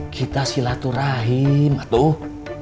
kita silaturahim tuh